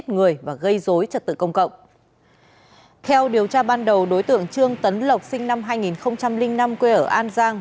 theo điều tra ban đầu đối tượng trương tấn lộc sinh năm hai nghìn năm quê ở an giang